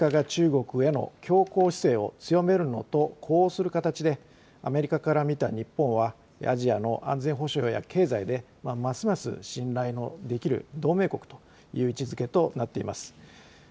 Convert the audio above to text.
その後、中国の台頭で、アメリカが中国への強硬姿勢を強めるのと呼応する形で、アメリカから見た日本はアジアの安全保障や経済で、ますます信頼のできる同盟国という位置づけとなっています。